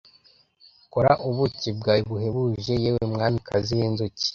kora ubuki bwawe buhebuje yewe mwamikazi w'inzuki